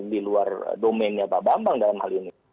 di luar domainnya pak bambang dalam hal ini